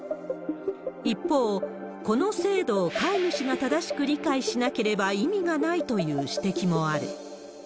一方、この制度を飼い主が正しく理解しなければ意味がないという指摘もある。